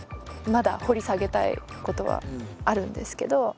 まだ掘り下げたいことはあるんですけど。